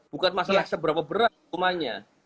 bukan masalah seberapa berat rumahnya